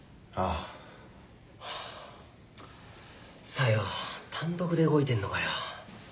小夜単独で動いてんのかよ。